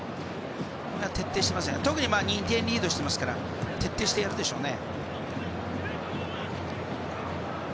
特に、２点リードしていますから徹底してやるでしょうね。